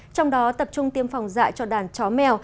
trong đó tập trung tiêm phòng dạy cho đàn chó mèo